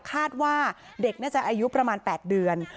คาดว่าเด็กน่าจะอายุประมาณ๘เดือน